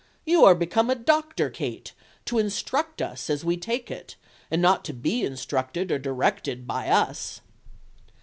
"You are become a doctor, Kate, to instruct us, as we take it, and not to be instructed or directed by us."